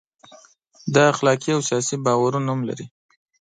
دا اخلاقي او سیاسي باورونه هم لري.